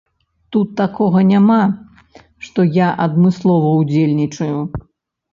Тут такога няма, што я адмыслова ўдзельнічаю.